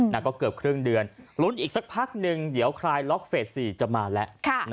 แล้วก็เกือบครึ่งเดือนลุ้นอีกสักพักนึงเดี๋ยวคลายล็อกเฟส๔จะมาแล้ว